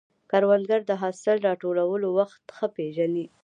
کروندګر د حاصل راټولولو وخت ښه پېژني